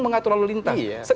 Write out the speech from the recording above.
mengatur lalu lintas